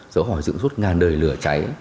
giấu hỏi dựng suốt ngàn đời lửa cháy